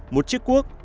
một chiếc cuốc